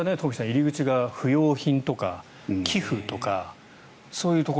入り口が不用品とか寄付とかそういうところ。